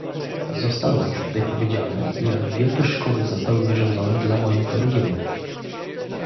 Zostało już tutaj powiedziane, jak wielkie szkody zostały wyrządzone dla mojego regionu